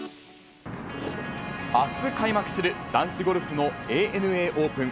あす開幕する男子ゴルフのＡＮＡオープン。